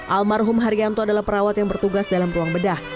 almarhum haryanto adalah perawat yang bertugas dalam ruang bedah